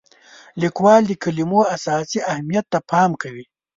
لیکوال د کلمو اساسي اهمیت ته پام کوي.